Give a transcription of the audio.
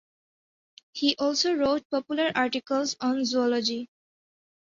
He also wrote popular articles on zoology.